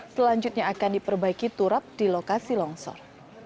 selanjutnya akan diperbaiki turap di lokasi longsor